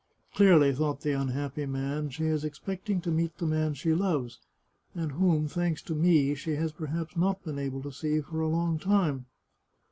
" Clearly," thought the unhappy man, " she is expecting to meet the man she loves, and whom, thanks to me, she has perhaps not been able to see for a long time."